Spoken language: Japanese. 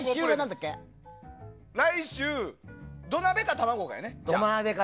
来週、土鍋か卵だよね。